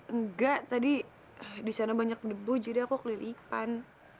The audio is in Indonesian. enggak tadi di sana banyak debu jadi aku kelilipan